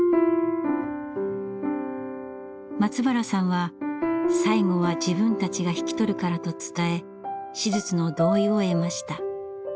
松原さんは最後は自分たちが引き取るからと伝え手術の同意を得ました。